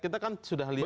kita kan sudah lihat